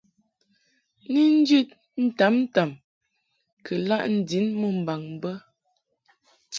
Ni njid ntamtam kɨ laʼ ndin mumbaŋ bə.